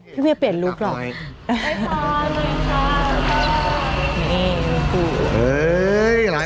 พี่เมียเปลี่ยนลูกแล้ว